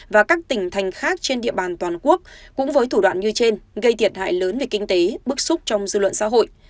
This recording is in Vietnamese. và các tỉnh thành khác trên địa bàn toàn quốc cũng với thủ đoạn như trên gây thiệt hại lớn về kinh tế bức xúc trong dư luận xã hội